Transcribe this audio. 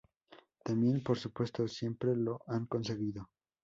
también por supuesto, siempre lo han conseguido